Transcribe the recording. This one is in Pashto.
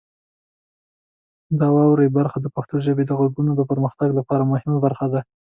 د واورئ برخه د پښتو ژبې د غږونو د پرمختګ لپاره مهمه برخه ده.